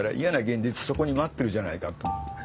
現実そこに待ってるじゃないかと。